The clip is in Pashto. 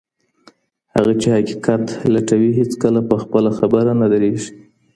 هغه چې حقیقت لټوي هېڅکله په خپله خبره نه درېږي.